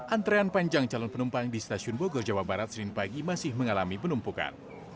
antrean panjang calon penumpang di stasiun bogor jawa barat senin pagi masih mengalami penumpukan